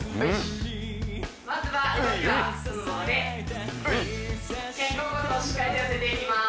まずは肩甲骨をしっかりと寄せていきます